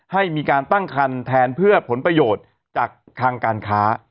ให้มีการตั้งคันแทนเพื่อผลประโยชน์จากทางการค้า